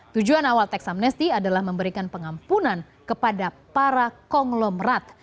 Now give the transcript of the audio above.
tujuan awal teks amnesti adalah memberikan pengampunan kepada para konglomerat